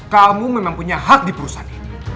kamu memang punya hak di perusahaan ini